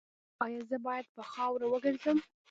ایا زه باید په خاورو وګرځم؟